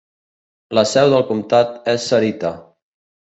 La seu del comtat és Sarita.